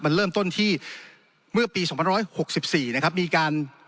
มันเริ่มต้นที่เมื่อปี๒๑๖๔นะครับมีการ